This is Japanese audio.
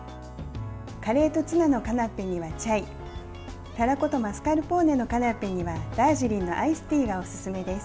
カレーとツナのカナッペにはチャイたらことマスカルポーネのカナッペにはダージリンのアイスティーがおすすめです。